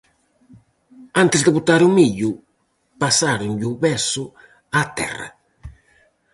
Antes de botar o millo, pasáronlle o veso á terra.